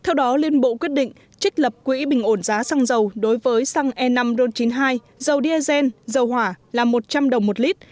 theo đó liên bộ quyết định trích lập quỹ bình ổn giá xăng dầu đối với xăng e năm ron chín mươi hai dầu diesel dầu hỏa là một trăm linh đồng một lít